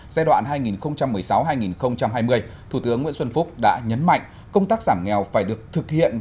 giai đoạn hai nghìn một mươi sáu hai nghìn hai mươi thủ tướng nguyễn xuân phúc đã nhấn mạnh công tác giảm nghèo phải được thực hiện